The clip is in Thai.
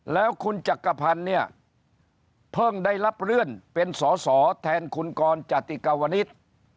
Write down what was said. แล้วคุณจักรพันธ์เนี่ยเพิ่งได้รับเลื่อนเป็นสอสอแทนคุณกรจติกาวนิษฐ์